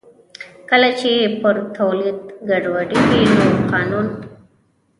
کله چې پر تولید ګډوډي وي نو قانون کار کوي